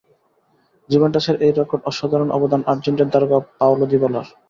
জুভেন্টাসের এই রেকর্ডে অসাধারণ অবদান আর্জেন্টাইন তারকা পাওলো দিবালার।